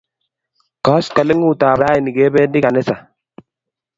Koskoling'ut ap rani kependi ganisa